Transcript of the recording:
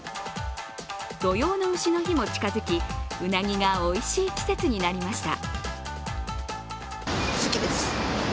土用のうしの日も近づき、うなぎがおいしい季節になりました。